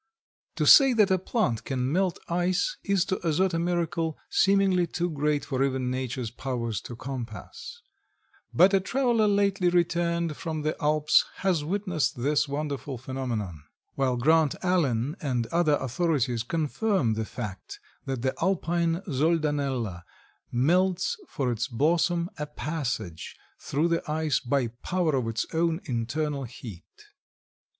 To say that a plant can melt ice is to assert a miracle seemingly too great for even Nature's powers to compass, but a traveler lately returned from the Alps has witnessed this wonderful phenomenon, while Grant Allen and other authorities confirm the fact that the Alpine Soldanella melts for its blossom a passage through the ice by power of its own internal heat.